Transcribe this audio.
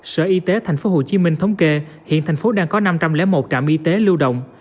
sở y tế tp hcm thống kê hiện thành phố đang có năm trăm linh một trạm y tế lưu động